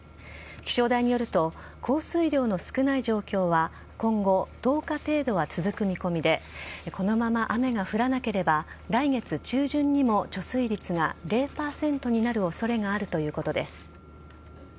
気象台によると降水量の少ない状況は今後１０日程度は続く見込みでこのまま雨が降らなければ来月中旬にも貯水率が０％になる恐れがあるということです。